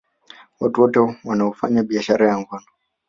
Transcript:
Watu wote wanaoufanya biashara ya ngono